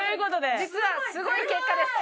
実はすごい結果です。